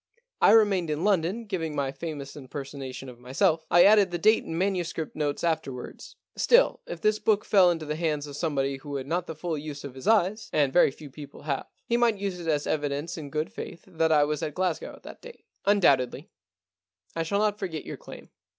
I remained in London giving my famous impersonation of myself. I added the date and manuscript notes afterwards. Still, if this book fell into the hands of some body who had not the full use of his eyes — and very few people have — he might use it as evidence in good faith that I was at Glasgow at that date.* * Undoubtedly. I shall not forget your claim.